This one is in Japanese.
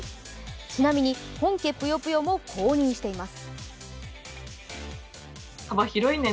ちなみに本家「ぷよぷよ」も公認しています。